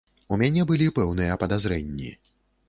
У мяне былі пэўныя падазрэнні.